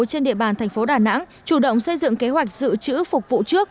trên địa bàn thành phố đà nẵng chủ động xây dựng kế hoạch dự trữ phục vụ trước